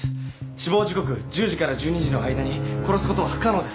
死亡時刻１０時から１２時の間に殺すことは不可能です。